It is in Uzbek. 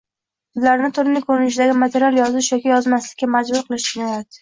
ularni turli ko‘rinishdagi material yozish yoki yozmaslikka majbur qilish jinoyat